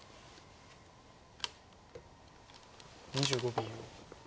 ２５秒。